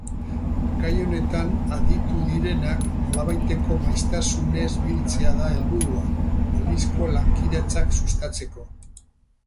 Gai honetan aditu direnak nolabaiteko maiztasunez biltzea da helburua, balizko lankidetzak sustatzeko.